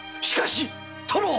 しかし殿！